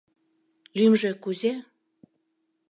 Лӱмжӧ кузе?